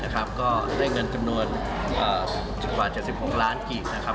ก็ได้เงินกำนวณประมาณ๗๖ล้านกีบ